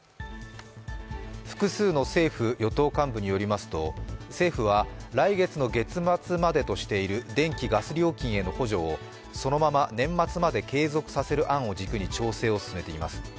複数の政府・与党幹部によりますと政府は来月の月末までとしている電気・ガス料金への補助をそのまま年末まで継続させる案を軸に調整を進めています。